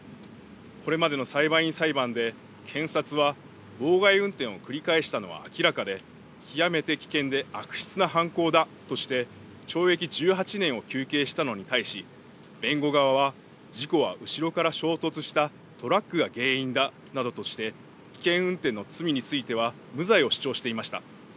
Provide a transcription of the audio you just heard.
これまでの裁判員裁判で検察は妨害運転を繰り返したのは明らかで極めて危険で悪質な犯行だとして懲役１８年を求刑したのに対し弁護側は事故は後ろから衝突したトラックが原因だなどとして危険運転の罪については無罪を主張していました。